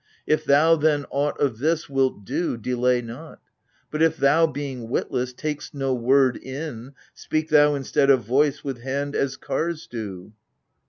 If thou, then, aught of this wilt do, delay not ! But if thou, being witless, taVst no word in, Speak thou, instead of voice, with hand as Kars do